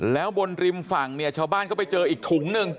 แล้วบนริมฝั่งเนี่ยชาวบ้านก็ไปเจออีกถุงหนึ่ง